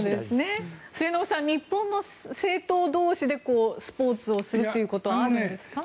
末延さん日本の政党同士でスポーツをするということはあるんですか？